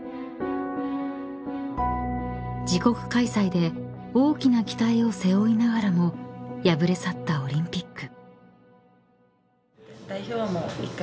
［自国開催で大きな期待を背負いながらも敗れ去ったオリンピック］